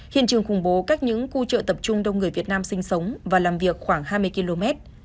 hiện trường khủng bố cách những khu chợ tập trung đông người việt nam sinh sống và làm việc khoảng hai mươi km